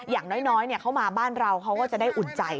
อย่างน้อยเขามาบ้านเราเขาก็จะได้อุ่นใจ